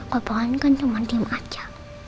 kalau pohon kan cuma diem aja